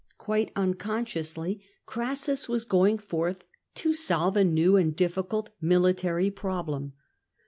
Quite unconsciously, Crassus was going forth to solve a new and difiScult military problem.